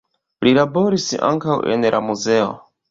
Li laboris ankaŭ en la muzeo.